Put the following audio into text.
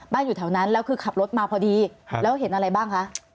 อยู่แถวนั้นแล้วคือขับรถมาพอดีแล้วเห็นอะไรบ้างคะ